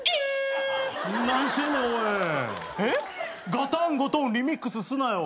ガタンゴトンリミックスすなよ。